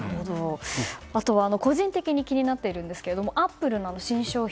あとは個人的に気になっているんですがアップルの新商品